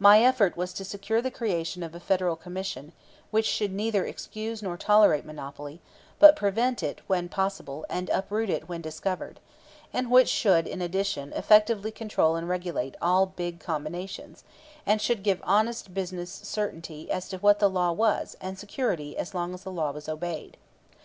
My effort was to secure the creation of a Federal Commission which should neither excuse nor tolerate monopoly, but prevent it when possible and uproot it when discovered; and which should in addition effectively control and regulate all big combinations, and should give honest business certainty as to what the law was and security as long as the law was obeyed.